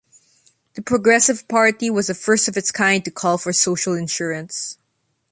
The Progressive Party was the first of its kind to call for social insurance.